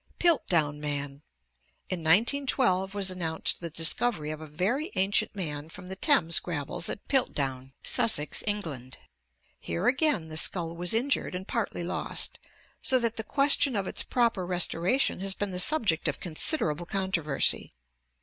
Piltdown Man. — In 191 2 was announced the discovery of a very ancient man from the Thames gravels at Piltdown, Sussex, Eng land. Here again the skull was injured and partly lost, so that the question of its proper restoration has been the subject of consider able controversy.